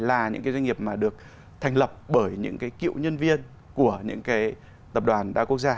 là những cái doanh nghiệp mà được thành lập bởi những cái cựu nhân viên của những cái tập đoàn đa quốc gia